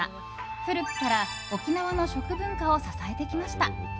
古くから沖縄の食文化を支えてきました。